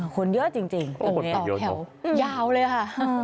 คนเยอะจริงตอนนี้เยอะแถวยาวเลยค่ะโอ้โฮเยอะ